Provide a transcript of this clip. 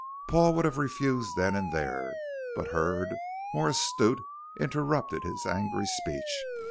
Paul would have refused then and there, but Hurd, more astute, interrupted his angry speech.